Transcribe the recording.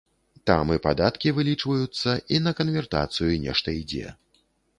Там і падаткі вылічваюцца, і на канвертацыю нешта ідзе.